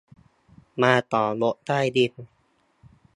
มาต่อรถใต้ดิน